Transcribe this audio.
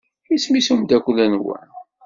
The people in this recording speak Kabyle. Isem-is umeddakel-nwen?